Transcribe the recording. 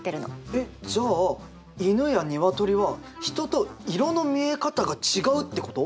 えっじゃあ犬や鶏は人と色の見え方が違うってこと？